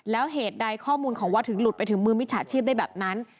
แล้วเหตุใดข้อมูลของวัดถึงหลุดไปถึงมือมิจฉาชีพได้แบบนั้น